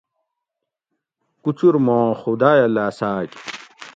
کُچُور موں خدایہ لاۤساۤگ